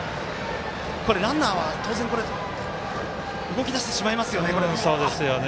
ランナーは当然、動き出してしまいますよね。